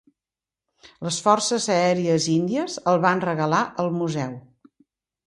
Les Forces Aèries Índies el van regalar al museu.